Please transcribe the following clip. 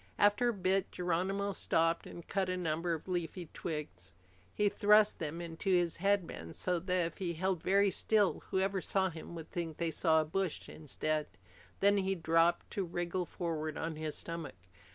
After a bit Geronimo stopped and cut a number of leafy twigs. He thrust them into his headband so that, if he held very still, whoever saw him would think they saw a bush instead. Then he dropped to wriggle forward on his stomach.